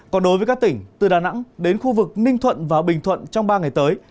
còn đối với các tỉnh từ đà nẵng đến khu vực ninh thuận và bình thuận trong ba ngày tới